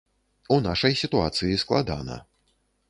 У нашай сітуацыі складана.